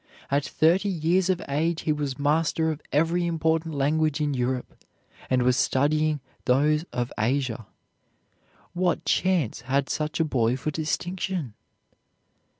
At thirty years of age he was master of every important language in Europe and was studying those of Asia. What chance had such a boy for distinction?